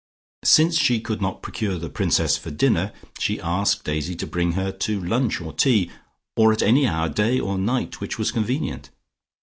Since she could not procure the Princess for dinner, she asked Daisy to bring her to lunch or tea or at any hour day or night which was convenient.